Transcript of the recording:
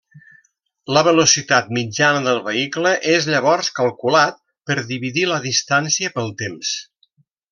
La velocitat mitjana del vehicle és llavors calculat per dividir la distància pel temps.